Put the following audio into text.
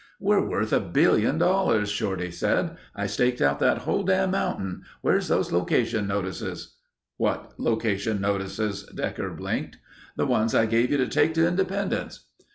"We're worth a billion dollars," Shorty said. "I staked out that whole dam' mountain. Where're those location notices?" "What location notices?" Decker blinked. "The ones I gave you to take to Independence."